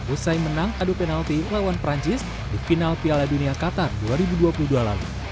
usai menang adu penalti lawan perancis di final piala dunia qatar dua ribu dua puluh dua lalu